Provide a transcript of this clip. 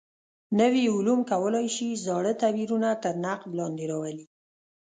نوي علوم کولای شي زاړه تعبیرونه تر نقد لاندې راولي.